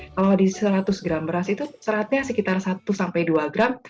kalau di seratus gram beras itu seratnya sekitar satu sampai dua gram